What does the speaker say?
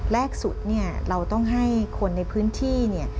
แรกสุดเราต้องให้คนในพื้นที่